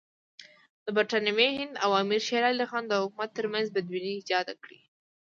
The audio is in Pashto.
د برټانوي هند او امیر شېر علي خان د حکومت ترمنځ بدبیني ایجاد کړي.